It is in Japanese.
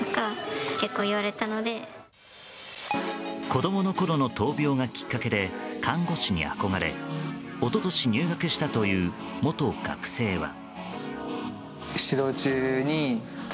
子供のころの闘病がきっかけで看護師に憧れ一昨年、入学したという元学生は。